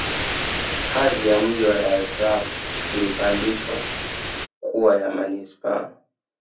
Hadhi ya Mji wa Dar es Salaam ilipandishwa kuwa ya Manispaa